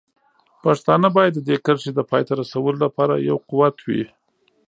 پښتانه باید د دې کرښې د پای ته رسولو لپاره یو قوت وي.